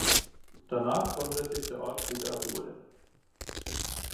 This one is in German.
Danach konnte sich der Ort wieder erholen.